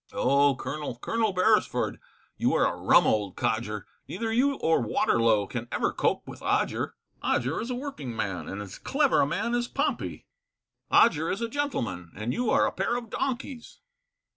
Oh, Colonel, Colonel Beresford, You are a rum old codger, Neither you or Waterlow Can ever cope with Odger; Odger is a working man, And as clever a man as Pompey, Odger is a gentleman, And you are a pair of donkeys.